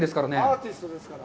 アーティストですから。